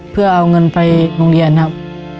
เพื่อเอาเงินไปโรงเรียนครับ